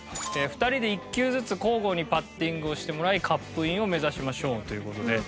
２人で１球ずつ交互にパッティングをしてもらいカップインを目指しましょうという事で。